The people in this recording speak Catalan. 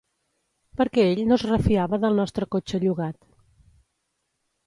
Perquè ell no es refiava del nostre cotxe llogat.